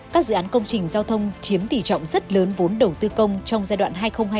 các dự án công trình giao thông chiếm tỷ trọng rất lớn vốn đầu tư công trong giai đoạn hai nghìn hai mươi một hai nghìn hai mươi năm